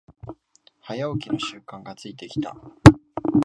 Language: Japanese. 早起きの習慣がついてきた